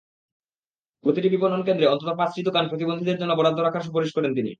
প্রতিটি বিপণনকেন্দ্রে অন্তত পাঁচটি দোকান প্রতিবন্ধীদের জন্য বরাদ্দ রাখার সুপারিশ করেন তিনি।